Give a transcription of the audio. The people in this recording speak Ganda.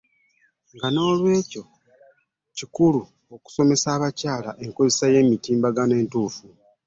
Nga noolwekyo kikulu okusomesa abakyala enkozesa y'emitimbagano entuufu.